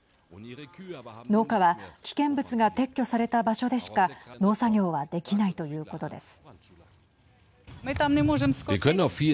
農家は危険物が撤去された場所でしか農作業はできないということです。